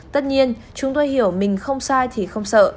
tất nhiên chúng tôi hiểu mình không sai thì không sợ